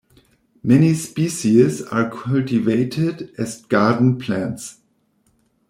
Many species are cultivated as garden plants.